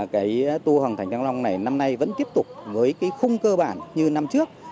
cái tour hoàng thành thăng long này năm nay vẫn tiếp tục với cái khung cơ bản như năm trước